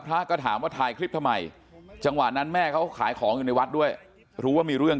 พระก็ถามว่าถ่ายคลิปทำไมจังหวะนั้นแม่เขาขายของอยู่ในวัดด้วยรู้ว่ามีเรื่อง